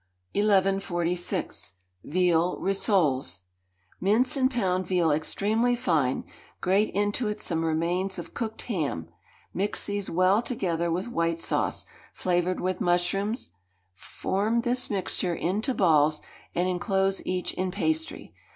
1146. Veal Rissoles. Mince and pound veal extremely fine; grate into it some remains of cooked ham. Mix these well together with white sauce, flavoured with mushrooms: form this mixture into balls, and enclose each in pastry.